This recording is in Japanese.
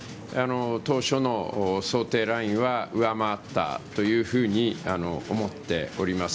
当初の想定ラインは上回ったというふうに思っております。